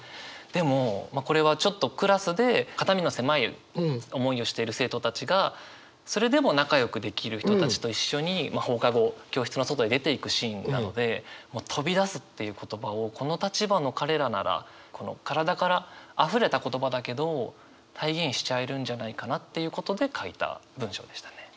でもこれはちょっとクラスで肩身の狭い思いをしている生徒たちがそれでも仲良くできる人たちと一緒に放課後教室の外に出ていくシーンなので「飛び出す」っていう言葉をこの立場の彼らならこの体からあふれた言葉だけど体現しちゃえるんじゃないかなっていうことで書いた文章でしたね。